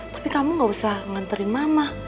tapi kamu gak usah nganterin mama